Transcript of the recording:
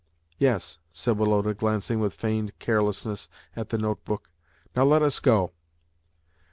"Yes." said Woloda, glancing with feigned carelessness at the note book. "Now let us go."